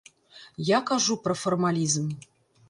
Я кажу пра фармалізм.